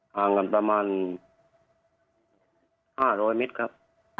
ห่างกันประมาณ๕๐๐เมตรครับ